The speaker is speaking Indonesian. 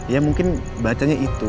ya mungkin bacanya itu